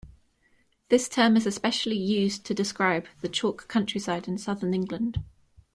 This term is especially used to describe the chalk countryside in southern England.